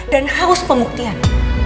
dan haus pengukian